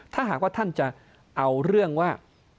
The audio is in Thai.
ถ้าหากว่าท่านจะเอาเรื่องว่า